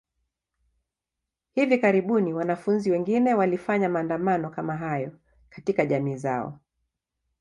Hivi karibuni, wanafunzi wengine walifanya maandamano kama hayo katika jamii zao.